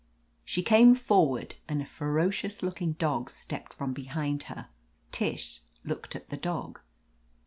She came forward and a ferocious looking dog stepped from behind her. Tish looked at the dog.